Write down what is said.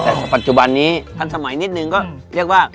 แต่ปัจจุบันนี้ทันสมัยนิดนึงก็เรียกว่า